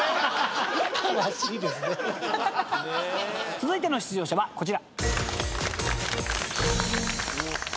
続いての出場者はこちら。